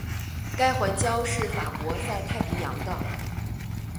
该环礁是法国在太平洋的。